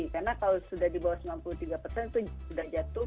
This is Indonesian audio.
karena kalau sudah di bawah sembilan puluh tiga persen itu sudah jatuh